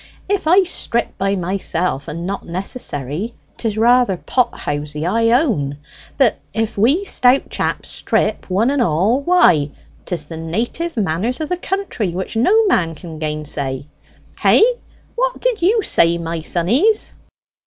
If I strip by myself and not necessary, 'tis rather pot housey I own; but if we stout chaps strip one and all, why, 'tis the native manners of the country, which no man can gainsay? Hey what did you say, my sonnies?"